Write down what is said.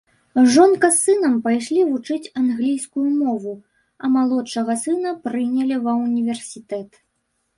Жонка з сынам пайшлі вучыць англійскую мову, а малодшага сына прынялі ва ўніверсітэт.